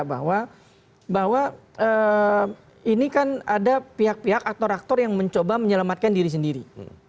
bahwa ini kan ada pihak pihak atau aktor yang mencoba menyelamatkan diri sendiri